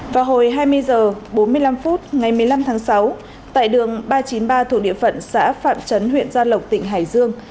vào hồi hai mươi h bốn mươi năm phút ngày một mươi năm tháng sáu tại đường ba trăm chín mươi ba thuộc địa phận xã phạm trấn huyện gia lộc tỉnh hải dương